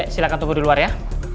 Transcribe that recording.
silahkan tunggu di luar ya